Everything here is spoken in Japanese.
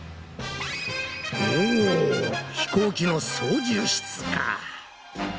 おぉ飛行機の操縦室か。